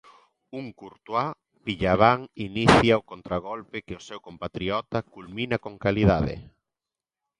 Un Curtuois pillabán inicia o contragolpe que o seu compatriota culmina con calidade.